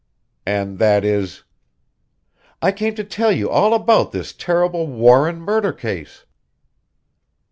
"And that is?" "I came to tell you all about this terrible Warren murder case."